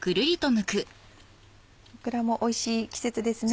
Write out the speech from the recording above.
オクラもおいしい季節ですね。